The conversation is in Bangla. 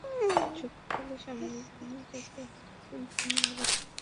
শক্তিশালী সামরিক বাহিনীর কাছে হারছেন তিনি, হারছেন ক্ষুদ্র রাজনৈতিক প্রতিপক্ষের কাছেও।